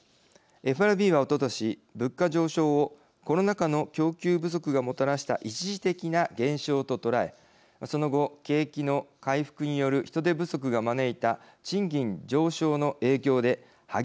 ＦＲＢはおととし物価上昇をコロナ禍の供給不足がもたらした一時的な現象と捉えその後景気の回復による人手不足が招いた賃金上昇の影響で激しいインフレに直面。